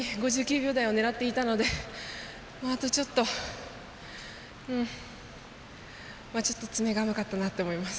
５９秒台を狙っていたのであとちょっと詰めが甘かったなと思います。